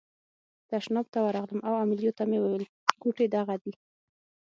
تشناب ته ورغلم او امیلیو ته مې وویل غوټې دغه دي.